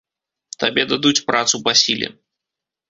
Табе дадуць працу па сіле.